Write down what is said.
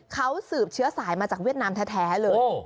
เขาสืบเชื้อสายมาจากเวียดนามแท้เลย